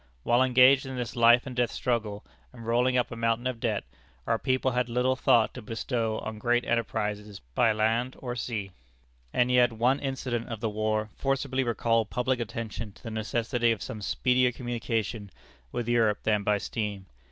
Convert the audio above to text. While engaged in this life and death struggle, and rolling up a mountain of debt, our people had little thought to bestow on great enterprises by land or sea. And yet one incident of the war forcibly recalled public attention to the necessity of some speedier communication with Europe than by steam.